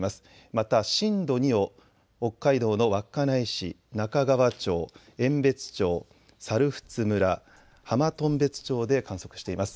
また震度２を北海道の稚内市、中川町、遠別町、猿払村、浜頓別町で観測しています。